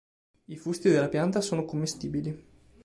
I fusti della pianta sono commestibili.